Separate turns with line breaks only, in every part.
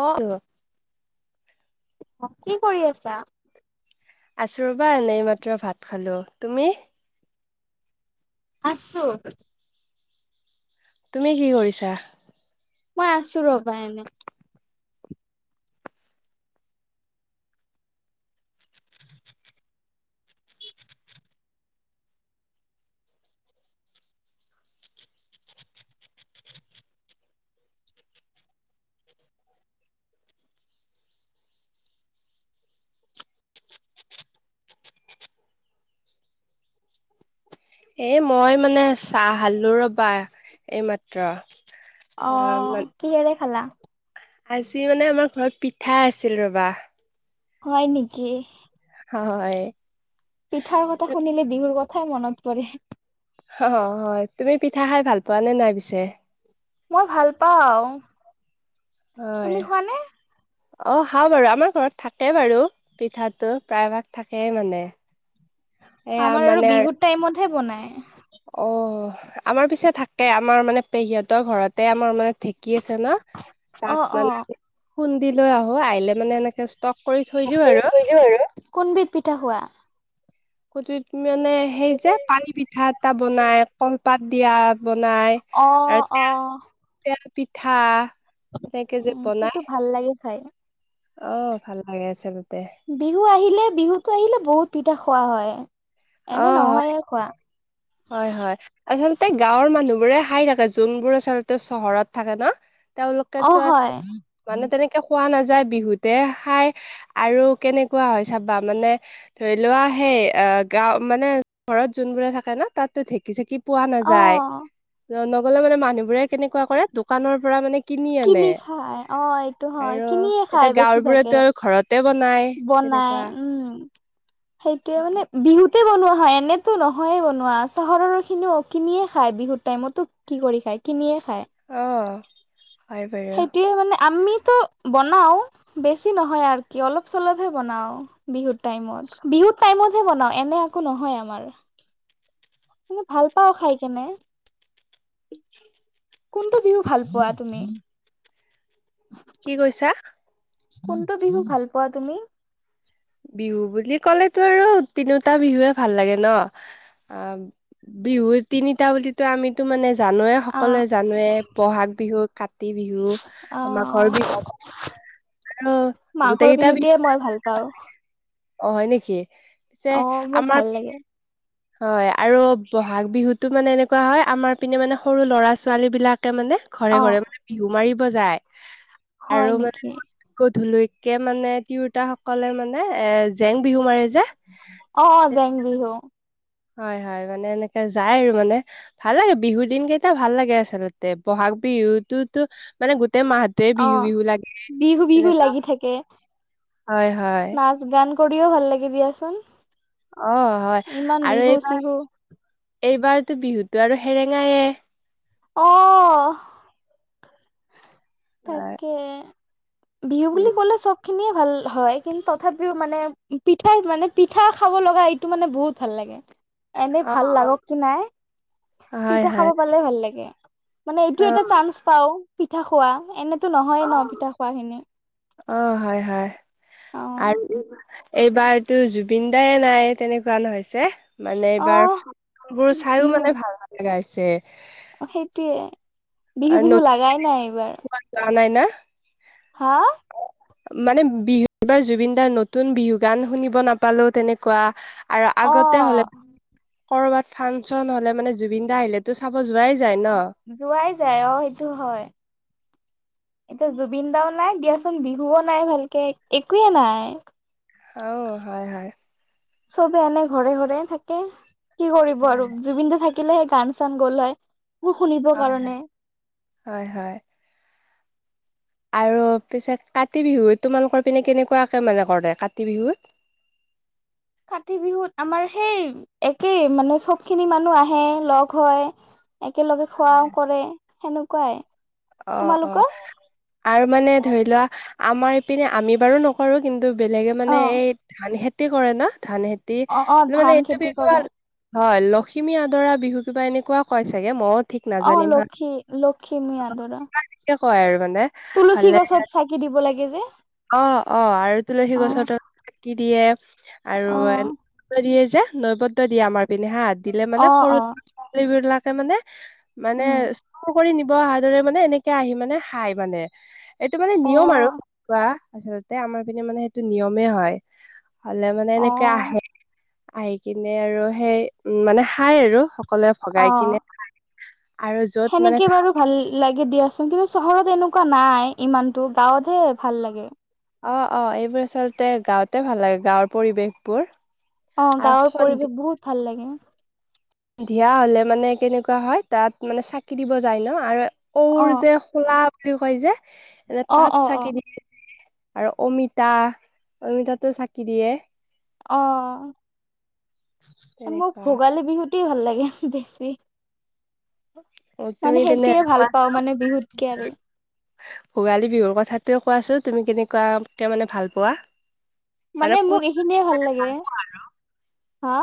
অঁ
অ', কি কৰি আছা?
আছো ৰবা এনেই মাত্ৰ ভাত খালোঁ, তুমি?
আছো।
তুমি কি কৰিছা?
মই আছো ৰবা এনে।
এ' মই মানে চাহ সালো ৰবা, এইমাত্ৰ।
অ', কিহেৰে খালা?
আজি মানে আমাৰ ঘৰত পিঠা আছিল ৰবা।
হয় নেকি?
হয়।
পিঠাৰ কথা শুনিলে বিহুৰ কথাই মনত পৰে।
হয়, তুমি পিঠা খাই ভাল পোৱা নে নাই পিছে?
মই ভাল পাওঁ।
হয়।
তুমি খোৱা নে?
অ সাও বাৰু আমাৰ ঘৰত থাকে বাৰু, পিঠাটো প্ৰায়ভাগ থাকেই মানে। এয়া
আমাৰ আৰু বিহুৰ টাইমত হে বনাই।
অহ, আমাৰ পিছে থাকে আমাৰ মানে পেহিহঁতৰ ঘৰতে আমাৰ মানে ঢেঁকি আছে
অ অ
ন? খুন্দিলৈ আহো, আহিলে মানে এনেকে ষ্টক কৰি থৈ দিও আৰু।
কোনবিধ পিঠা খোৱা?
কুনবিত মানে সেই যে পানী পিঠা এটা বনাই কলপাত দিয়া বনাই,
অ
আৰু
অ
তেল- তেল পিঠা। এনেকে যে
উম সেইটো
বনাই।
ভাল লাগে খাই।
অ' ভাল লাগে আচলতে।
বিহু আহিলে, বিহুতো আহিলে বহুত পিঠা খোৱা হয়।
অ'
এনে
হয়,
নহয়ে খোৱা
হয় হয়। আচলতে গাঁৱৰ মানুহবোৰে সাই থাকে যোনবোৰ আচলতে চহৰত থাকে ন
অ
তেওঁলোকেতো,
হয়
মানে তেনেকে খোৱা নাযায় বিহুতে সাই। আৰু কেনেকুৱা হয় চাবা মানে ধৰি লোৱা সেই অ গাওঁ মানে ঘৰত যোনবোৰে থাকে ন তাতো ঢেঁকি-চেঁকি পোৱা নাযায়।
অ।
নগ'লে মানে মানুহবোৰে কেনেকুৱা কৰে দোকানৰ পৰা মানে কিনি আনে,
খাই অ এইটো হয়
আৰু
কিনিয়ে খাই
এতিয়া গাঁৱৰ
বেছিভাগে
বোৰেটো আৰু ঘৰতে বনাই।
বনাই
তেনেকুৱা
উম্। সেইটোৱে মানে বিহুতে বনোৱা হয় এনেতো নহয়ে বনোৱা, চহৰৰ খিনিও কিনিয়ে খায় বিহুৰ টাইমতো কি কৰি খায়? কিনিয়ে খায়।
অ', হয় বাৰু
সেইটোৱে মানে আমিতো বনাও, বেছি নহয় আৰু কি অলপ চলপহে বনাও, বিহুৰ টাইমত, বিহুৰ টাইমত হে বনাও এনে একো নহয় আমাৰ। এনে ভাল পাওঁ খাই কেনে। কোনটো বিহু ভাল পোৱা তুমি? [unintelligible]
কি কৈছা?
কোনটো বিহু ভাল পোৱা তুমি?
বিহু বুলি ক'লেটো আৰু, তিনিওটা বিহুৱে ভাল লাগে ন। অঁ, বিহুৰ তিনিটা বুলি- ত, আমিটো মানে জানোৱে,
অ
সকলোৱে জানোৱে বহাগ বিহু, কাত- কাতি বিহু,
অ
মাঘৰ বিহু আৰু গোটেই
মাঘৰ
গেইটা
বিহুটোৱে
বিহু-
মই ভাল পাওঁ।
অ, হয় নেকি? পিছে
অ', মোক ভাল
আমাৰ-
[inaudible]
হয়, আৰু বহাগ বিহুটো মানে এনেকুৱা হয়, আমাৰ পিনে মানে সৰু ল'ৰা ছোৱালী বিলাকে মানে- ঘৰে
অ',
-ঘৰে মানে বিহু মাৰিব যায়।
হয়
আৰু
নেকি?
মানে- গধূলিলৈকে মানে তিৰোতাসকলে মানে এ জেং বিহু মাৰে যে।
অঁ অ জেং বিহু।
হয় হয়, মানে এনেকে যায় আৰু মানে। ভাল লাগে, বিহুৰ দিন কেইটা ভাল লাগে, আচলতে। বহাগ বিহুতটো মানে গোটেই মাহ- টোৱেই বিহু-
অ',
বিহু লাগে,
বিহু বিহু
তেনেকুৱা।
লাগি থাকে
হয় হয়।
নাচ গান কৰিও ভাল লাগে দিয়াচোন।
অঁ, হয়।
ইমান
আৰু
বিহু
এইবাৰ
চিহু
এইবাৰটো বিহুটো আৰু সেৰেঙায়ে।
অঁ'
হয়
তাকে, বিহু বুলি
উম
কলে চব- খিনিয়ে ভাল হয়, কিন্তু তথাপিও মানে পিঠাৰ মানে, পিঠা খাব লগা এইটো মানে বহুত ভাল লাগে। এনেই
অ
ভাল লাগক কি নাই,
অ হয়
পিঠা খাব
হয়
পালে ভাল লাগে। মানে এইটো
অ
এটা চান্স পাও, পিঠা খোৱা এনেতো নহয়ে ন পিঠা খোৱাখিনি।
অঁ, হয় হয়
অ',
আৰু এই- এইবাৰটো জুবিন দাই নাই, তেনেকুৱা নহৈছে। মানে এইবাৰ
অ',
ফাংচনবোৰ চাইও মানে ভাল নলগা হৈছে।
অঁ, সেইটোৱে, বিহু -বিহু লগাই নাই এইবাৰ।
যা নাই না?
হাঁ।
মানে বিহু এইবাৰ জুবিন দাৰ নতুন বিহু গান শুনিব নাপালো তেনেকুৱা। আৰু
অ
আগতে হলে কৰ'বাত ফাংচন হলে মানে জুবিন দা আহিলে- তো চাব যোৱাই যায় ন?
যোৱাই যায়, অঁ সেইটো হয়। এতিয়া জুবিন দাও নাই দিয়াচোন, বিহুও নাই ভালকে একোৱে নাই।
অও, হয় হয়।
চবে এনে ঘৰে ঘৰে থাকে। কি কৰিব আৰু জুবিনটো থাকে। থাকিলেসে গান চান গ'ল হয়। মোৰ শুনিবৰ
হয়
কাৰণে
হয় হয়। আৰু পিছে কাতি বিহুত, তোমালোকৰ পিনে কেনেকুৱাকে মানে কৰে কাতি বিহুত?
কাতি বিহুত আমাৰ সেই একেই মানে চব খিনি মানুহ আহে লগ হয়। একেলগে খোৱাও কৰে, সেনেকোৱাই।
অ অ, আৰু মানে ধৰি লোৱা, আমাৰ ইপিনে আমি বাৰু নক- কৰো কিন্তু, বেলেগে
অ
মানে এই ধান খেতি কৰে ন, ধান খেত- তি
অ অ
লো
ধান
মানে এইটো
খেতি
বিহু
কৰে
ভাল। হয়, লখিমী আদৰা বিহু, কিবা এনেকুৱা কয় চাগে, মইও ঠিক
অঁ,
নাজানিম
লক্ষী লক্ষিমী আদৰা।
তাক ঠিকে কয় আৰু মানে।
তুলসী
হলে,
গছত চাকি দিব লাগে যে।
অঁ অঁ আৰু তুলসী
অ
গছৰ তল ত চাকি দিয়ে, আৰু
অ
এই যে নৈবত' দিয়ে আমাৰ। পিনে হা, দিল মানে
অ
সৰু
অ
ছোৱালী বিলাকে মানে মানে
উম
চুৰ কৰি নিব। ধৰা মানে এনেকে আহি মানে খাই মানে। এইটো মানে
অ
নিয়ম আৰু খোৱা, তাৰপিছত তে আমাৰ পিনে মানে সেইটো নিয়মেই হয়, হলে মানে
অ
এনেকে আহে। আহি কিনে আৰু সেই উম মানে খাই আৰু। সকলে
অ
ভগাই কিনে খাই, আৰু য'ত
সেনেকে
মানে
বাৰু ভাল লাগে দিয়াচোন কিন্তু চহৰত এনেকুৱা নাই ইমানতো গাঁৱতহে ভাল লাগে।
অঁ অঁ এইবোৰ আচলতে গাঁওঁতে ভাল লাগে গাঁৱৰ পৰিৱেশবোৰ।
অঁ
আৰু
গাঁৱৰ
সন্ধি
পৰিৱেশ বহুত ভাল লাগে।
ধিয়া হলে মানে কেনেকুৱা হয় তাত মানে চাকি দিব যায় ন, আৰু ওৰ
অ
যে খোলা বুলি কয় যে, এনে
অ
তাঁত
অ অ
চাকি দিয়ে যে আৰু অমিতা অমিতাটো চাকি দিয়ে।
অঁ মোৰ
তেনেকুৱা
ভোগালী বিহুটোৱে ভাল লাগে বেছি। মানে সেইটোয়ে ভাল পাওঁ মানে বিহুতকে আৰু
[unintelligible] ভোগালী বিহুৰ কথাটোয়ে কোৱাছো তুমি কেনেকুৱা মানে ভাল পোৱা।
মানে মোক এইখিনিয়ে ভাল লাগে, হা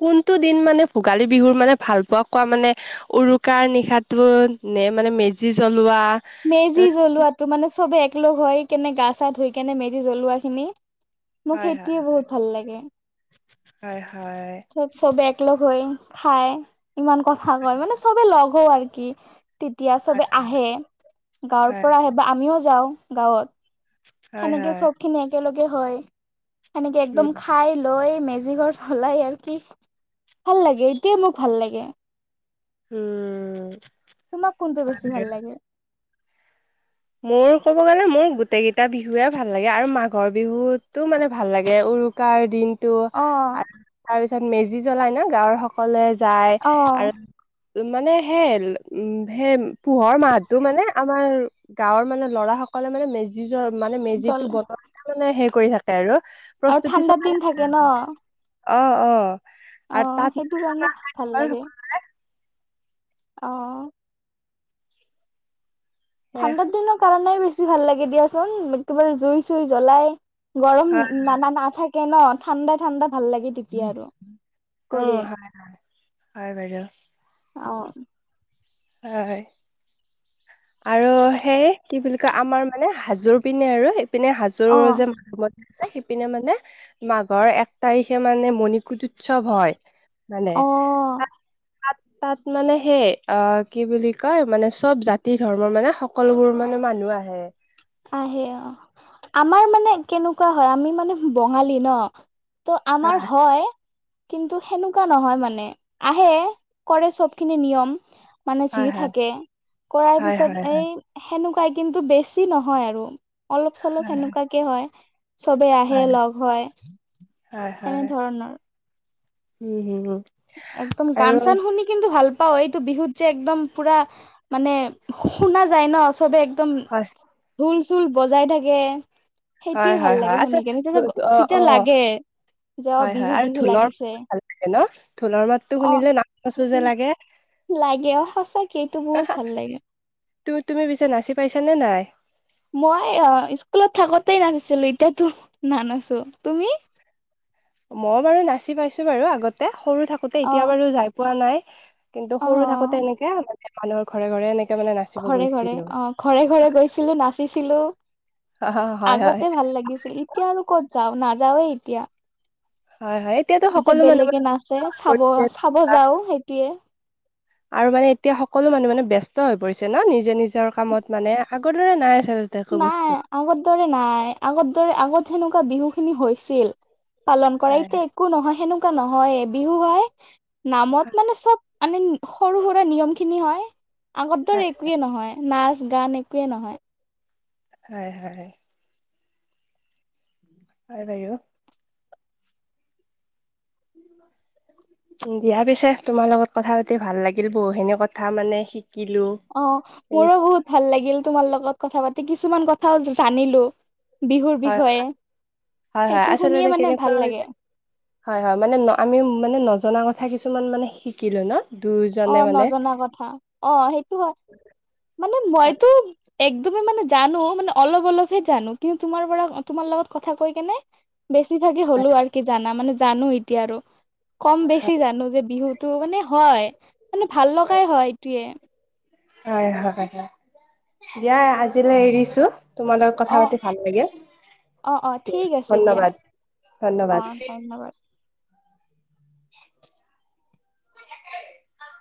কোনটো দিন মানে ভোগালী বিহুৰ মানে ভাল পোৱা কোৱা মানে? উৰুকাৰ নিশাটো নে মানে মেজি জ্বলোৱা?
মেজি
তাৰ-
জ্বলোৱাতটো মানে চবে একলগ হয় কেনে গা চা ধুই কেনে মেজি জ্বলোৱা খিনি। মোক
হয় হয়
সেইটোয়ে বহুত ভাল লাগে
হয় হয়।
ত চবে এককলগ হৈ খায়, ইমান কথা কয় মানে চবে লগ হওঁ আৰু কি? তেতিয়া চবে আহে, গাঁৱৰ
হয়
পৰা আহে বা আমিও যাওঁ গাঁৱত।
হয়
সেনেকে
হয়
চব খিনি একেলগে হয়, সেনেকে একদম
উম
খাই লৈ মেজি ঘৰ সলাই আৰু কি ভাল লাগে এতিয়া মোক ভাল লাগে।
উম।
তোমাক কোনটো বেছি ভাল লাগে?
মোৰ ক'ব গ'লে মোৰ গোটেই কেইটা বিহুৱে ভাল লাগে, আৰু মাঘৰ বিহুতো মানে ভাল লাগে উৰু কাৰ দিন টো
অ
আৰু তাৰপিছত মেজি জ্বলাই ন গাঁৱৰ সকলে যায়,
অ
আৰু মানে সেই উম সেই পোহৰ মাহটো মানে আমাৰ গাঁৱৰ মানে ল'ৰা সকলে মানে মেজি জ মানে
জল
মেজিটো বনোৱা মানে সেই কৰি থাকে আৰু।
আৰু
প্ৰস্তুতি
ঠাণ্ডাৰ
চলাই
দিন
আছে
থাকে ন
আৰু। অ অ।
অ সেইটো কাৰণে ভাল লাগে
[unintelligible]
অ ঠাণ্ডাৰ দিনৰ কাৰণে বেছি ভাল লাগে দিয়াচোন, একেবাৰে জুই চুই জ্বলাই। গৰম
হয়
না না নাথাকে ন, ঠাণ্ডাই ঠাণ্ডা ভাল লাগে তেতিয়া আৰু।
অঁ
কৰি
হয় হয় হয় বাইদেউ।
অ
হয়। আৰু সেই কি বুলি কয় আমাৰ মানে হাজোৰ পিনে আৰু ইপিনে হাজ চুৰ
অ
মাধমত আছে সিপিনে মানে মাঘৰ এক তাৰিখে মানে মণিকুটত। উৎসৱ হয় মানে।
অ
তাত তাত মানে সেই অ কি বুলি কয় মানে চব জাতি ধৰ্মৰ মানে হক। সকলোবোৰ মানে মানুহ আহে।
আহে অ আমাৰ মানে কেনেকুৱা হয় আমি মানে বঙালী ন। ত আমাৰ হয়। কিন্তু সেনেকুৱা নহয় মানে আহে কৰে চব খিনি নিয়ম। মানে যি
হয়
থাকে কৰাৰ
হয়
পিছত
হয় হয়
এই সেনেকুৱাই কিন্তু বেছি নহয়। হয় আৰু অলপ চলপ সেনেকুৱাকে হয় চবে আহে
হয়
লগ হয়।
হয় হয়
এনে
হয়
ধৰণৰ।
উম হুম হু।
একদম গান চান শুনি। কিন্তু ভাল পাওঁ এইটো বিহুত যে একদম পুৰা মানে শুনা যায় ন চবে। একদম
হয়
ঢোল চোল বজাই থাকে। সেইটোৱে
হয়
ভাল
হয় হয়
লাগে
আচ্ছা
শুনি কেনে তেতিয়া
অ
তেতিয়া
অ
লাগে। যাওঁ বিহু বিহু লাগিছে।
হেন ঢোলৰ মাত। টো
অ
শুনিলে নাচো নচো যে লাগে
লাগে অ সঁচাকে এইটো
হা
বহুত
হা।
ভাল লাগে
তুমি তুমি পিছে নাচি পাইছানে নাই।
মই অ স্কুলত থাকোতেই নাচিছিলো এতিয়াতো নানাচো তুমি।
মই বাৰু নাচি পাইছো বাৰু আগতে সৰু থাকোতে
অ
এতিয়া বাৰু যাই পোৱা নাই। কিন্তু
অ
সৰু হৈ থাকোতে এনেকে মানে মানুহৰ ঘৰে ঘৰে এনেকে মানে নাচিব
ঘৰে ঘৰে
গৈছিলো।
অ ঘৰে ঘৰে গৈছিলো নাচিছিলো
হয় হয়
আগতে ভাল লাগিছিল ইতি। এতিয়ানো ক'ত যাও নাযাওেই এতিয়া
হয় হয় এতিয়াতো
এতিয়া
সকলো মানুহ মানে
বেলেগে নাচ।
ব্যস্ত
যে
হৈ
চাব
পৰিছে।
চাব যাওঁ সেইটোৱে।
আৰু মানে এতিয়া সকলো মানুহ মানে ব্যস্ত হৈ পৰিছে ন নিজে নিজৰ কামত মানে আগৰ দৰে নাই আচল।
নাই আগৰ দৰে নাই আগৰ দৰে আগত সেনেকুৱা বিহু খিনি হৈছিল। পালন কৰা
হয়
এতিয়া
হয়
একো নহয় সেনেকুৱা নহয়ে বিহু হয় নামত মানে চব। মানে সৰু সুৰা নিয়ম খিনি হয় আগত
হয়
দৰে একোৱে নহয়। নাচ গান একোৱে নহয়।
হয় হয়। হয় বাৰু। [unintelligible] দিয়া পিছে তোমাৰ লগত কথা পাতি ভাল লাগিল বহুখিনি কথা মানে শিকিলো।
অ মোৰো
তেনেকুৱা
বহুত ভাল লাগিল তোমাৰ লগত কথা পাতি কিছুমান কথাও জানিলো। বিহুৰ
হয়
বিষয়ে
হয় হয়
সেইটো
আচলতে
শুনিয়ে মানে
কেনেকুৱা
ভাল
হয়
লাগে।
হয় হয় মানে আমি মানে নজনা কথা কিছুমান মানে শিকিলো ন
অ
দুইজনে মানে।
নজনা কথা। অ সেইটো হয় মানে মইতো। একদমেই মানে জানো মানে অলপ অলপহে জানো কিন্তু তোমাৰ পৰা তোমাৰ লগত কথা কৈ কেনে। বেছিভাগে হ'লো আৰু কি জানা মানে জানো এতিয়া আৰু। কম বেছি জানো যে বিহুটো মানে হয় মানে ভাল লগাই হয় এইটোৱে।
হয় হয় হয় দিয়া আজিলৈ এৰিছো। তোমাৰ লগত
অ
কথা পাতি ভাল লাগিল।
অ অ
দিয়া
ঠিক আছে দিয়া
ধন্যবাদ
অ
ধন্যবাদ
ধন্যবাদ।
[unintelligible] [unintelligible]